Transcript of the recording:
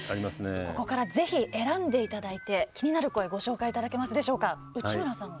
ここから、ぜひ選んでいただいて、気になる声ご紹介いただけますか。